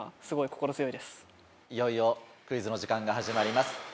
いよいよクイズの時間が始まります。